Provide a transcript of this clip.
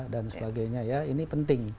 dan sebagainya ya ini penting